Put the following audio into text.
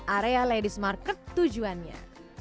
area ladies market tujuannya